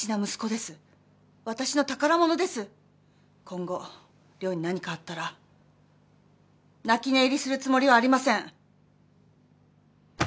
今後陵に何かあったら泣き寝入りするつもりはありません。